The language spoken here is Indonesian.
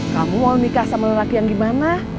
kamu mau nikah sama lelaki yang gimana